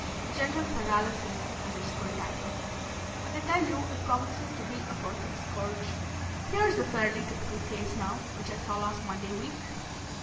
General paralysis is its full title, and I tell you it promises to be a perfect scourge. Here's a fairly typical case now which I saw last Monday week.